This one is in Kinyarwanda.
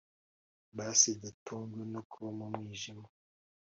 Basi dutungwe no kuba mumwijima